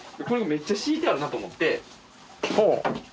これがめっちゃ敷いてあるなと思って。